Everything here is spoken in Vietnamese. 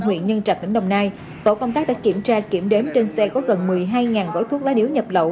huyện nhân trạch tỉnh đồng nai tổ công tác đã kiểm tra kiểm đếm trên xe có gần một mươi hai gói thuốc lá điếu nhập lậu